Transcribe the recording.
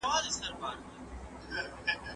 هاضمي سیستم له حرکت سره ښه کار کوي.